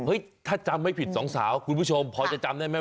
ถ้าจำไม่ผิดสองสาวคุณผู้ชมพอจะจำได้ไหม